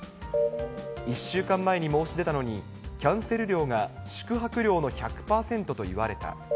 １週間前に申し出たのにキャンセル料が宿泊料の１００％と言われた。